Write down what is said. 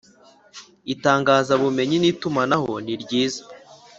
itangazabumenyi n itumanaho niryiza